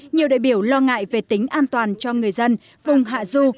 nhiều đại biểu lo ngại về tính an toàn cho người dân vùng hạ du